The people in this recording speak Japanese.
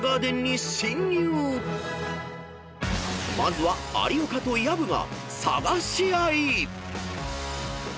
［まずは有岡と薮が探し合い］